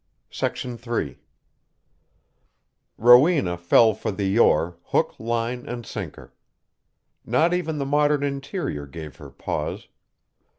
III Rowena fell for the Yore hook, line, and sinker. Not even the modern interior gave her pause.